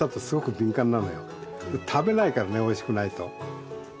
食べないからねおいしくないと。